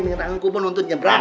nanggungku pun untuk nyebrang